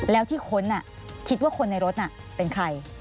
แล้วที่ค้นคิดว่าคนในรถน่ะเป็นใคร